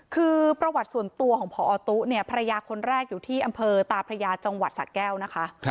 คือประวัติส่วนตัวของพอตุ๊เนี่ยภรรยาคนแรกอยู่ที่อำเภอตาพระยาจังหวัดสะแก้วนะคะ